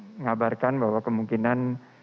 mengabarkan bahwa kemungkinan